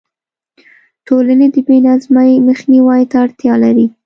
ټولنې د بې نظمۍ مخنیوي ته اړتیا لري.